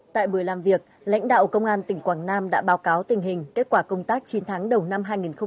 tại buổi làm việc lãnh đạo công an tỉnh quảng nam đã báo cáo tình hình kết quả công tác chín tháng đầu năm hai nghìn hai mươi ba